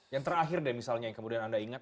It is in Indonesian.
yang terakhir deh misalnya yang kemudian anda ingat